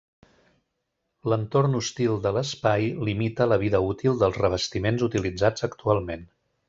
L'entorn hostil de l'espai limita la vida útil dels revestiments utilitzats actualment.